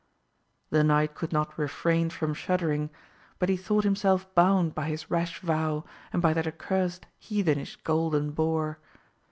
The knight could not refrain from shuddering; but he thought himself bound by his rash vow and by that accursed heathenish golden boar.